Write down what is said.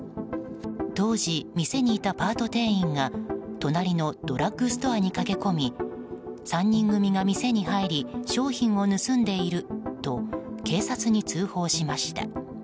当時、店にいたパート店員が隣のドラッグストアに駆け込み３人組が店に入り商品を盗んでいると警察に通報しました。